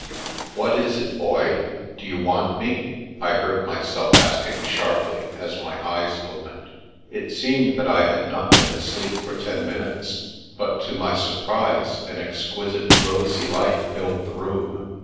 " What is it. Boy? Do you want me? " I heard myself asking sharply, as my eyes opened. It seemed that I had not been asleep for ten minutes, but to my surprise an exquisite, rosy lieht filled the room.